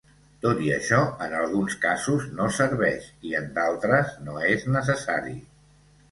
Tot i això en alguns casos no serveix, i en d'altres no és necessari.